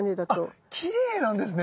あっきれいなんですね。